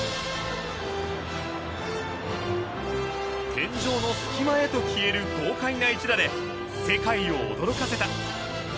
天井の隙間へと消える豪快な一打で世界を驚かせた。